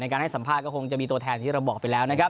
การให้สัมภาษณ์ก็คงจะมีตัวแทนที่เราบอกไปแล้วนะครับ